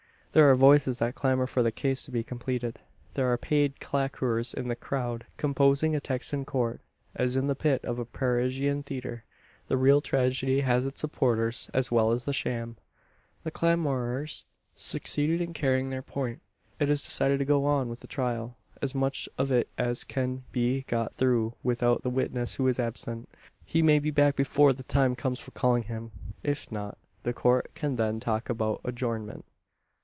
There are voices that clamour for the case to be completed. There are paid claquers in the crowd composing a Texan Court, as in the pit of a Parisian theatre. The real tragedy has its supporters, as well as the sham! The clamourers succeed in carrying their point. It is decided to go on with the trial as much of it as can be got through without the witness who is absent. He may be back before the time comes for calling him. If not, the Court can then talk about adjournment.